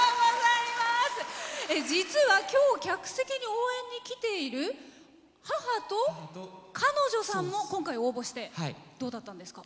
実は、今日客席に応援に来ている母と彼女さんも今回応募してどうだったんですか？